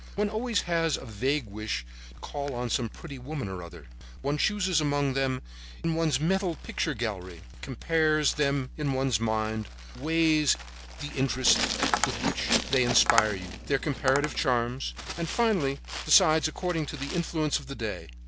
One always has a vague wish to call on some pretty woman or other. One chooses among them in one's mental picture gallery, compares them in one's mind, weighs the interest with which they inspire you, their comparative charms and finally decides according to the influence of the day.